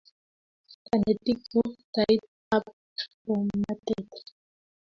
kanetik ko tait ap ngomnatet